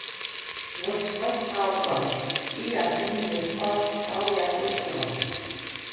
«Ос хъот къакӏо»,- сӏуи ахэми ясӏуагъ, ау ашӏошъ хъугъэп.